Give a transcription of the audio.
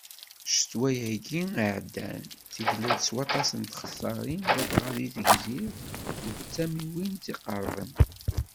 Ccetwa-agi iɛeddan, tegla-d s waṭas n txessaṛin ladɣa deg Tegzirt d tamiwin i tt-iqerben.